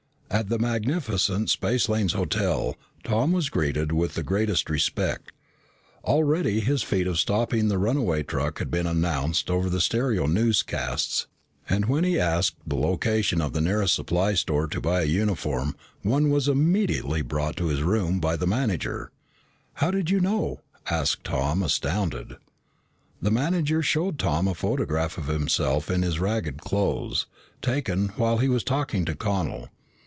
At the magnificent Spacelanes Hotel, Tom was greeted with the greatest respect. Already his feat of stopping the runaway truck had been announced over the stereo newscasts, and when he asked the location of the nearest supply store to buy a uniform, one was immediately brought to his room by the manager. "But how did you know?" asked Tom, astounded. The manager showed Tom a photograph of himself in his ragged clothes, taken while he was talking to Connel.